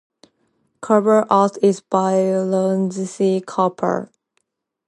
Cover art is by Lindsey Cooper.